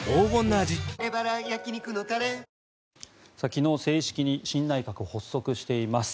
昨日、正式に新内閣発足しています。